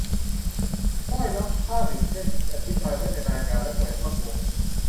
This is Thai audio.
สร้อยล้ำค่าหนึ่งเส้นที่อธิบายไว้ในรายการและแหวนบางวง